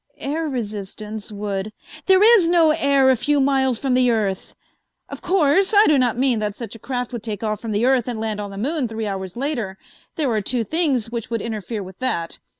"Air resistance would " "There is no air a few miles from the earth. Of course, I do not mean that such a craft would take off from the earth and land on the moon three hours later. There are two things which would interfere with that.